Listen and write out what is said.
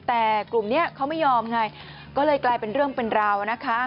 แต่กลุ่มนี้เขาไม่ยอมไงก็เลยกลายเป็นเรื่องเป็นราวนะคะ